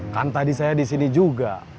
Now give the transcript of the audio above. kan tadi saya di sini juga